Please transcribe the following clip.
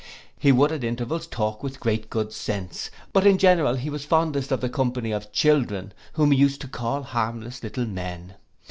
He would at intervals talk with great good sense; but in general he was fondest of the company of children, whom he used to call harmless little men.